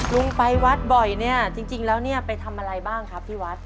ลุงไปวัดบ่อยเนี่ยจริงแล้วเนี่ยไปทำอะไรบ้างครับที่วัด